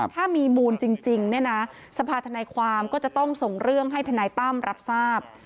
ถ้ามีมูลจริงเนี่ยนะสภาธนายความก็จะต้องส่งเรื่องให้ทนายตั้มรับทราบ